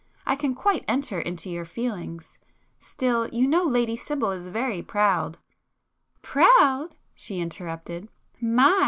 I can quite enter into your feelings,—still you know Lady Sibyl is very proud——" "Proud!" she interrupted—"My!